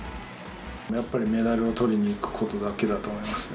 やっぱりメダルをとりにいくことだけだと思いますね。